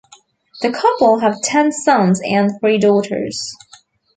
The couple have ten sons and three daughters.